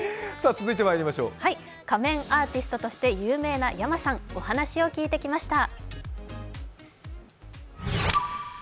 仮面アーティストとして有名なｙａｍａさん、お話を聞いてきました。